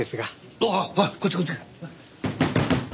ああこっちこっち。